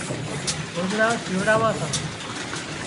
ڳوۮڙان شِوڙاوان سان